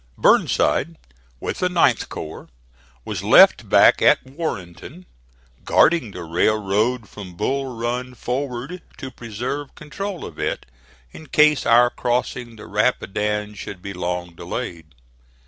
Burnside, with the 9th corps, was left back at Warrenton, guarding the railroad from Bull Run forward to preserve control of it in case our crossing the Rapidan should be long delayed.